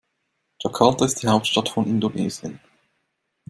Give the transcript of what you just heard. Jakarta ist die Hauptstadt von Indonesien.